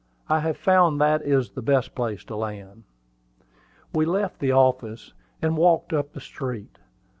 I have found that is the best place to land." We left the office, and walked up the street.